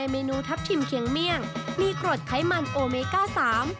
เมนูทัพทิมเคียงเมี่ยงมีกรดไขมันโอเมก้าสาม